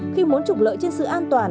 khi muốn trục lợi trên sự an toàn